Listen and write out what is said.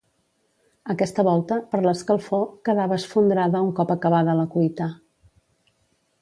Aquesta volta, per l'escalfor, quedava esfondrada un cop acabada la cuita.